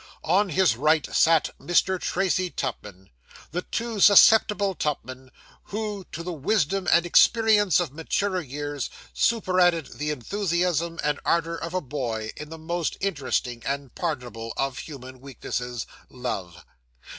On his right sat Mr. Tracy Tupman the too susceptible Tupman, who to the wisdom and experience of maturer years superadded the enthusiasm and ardour of a boy in the most interesting and pardonable of human weaknesses love.